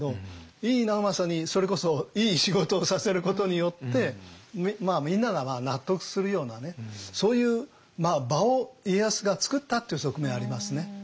井伊直政にそれこそイイ仕事をさせることによってみんなが納得するようなねそういう場を家康がつくったという側面ありますね。